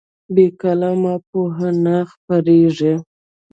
بې قلمه پوهه نه خپرېږي.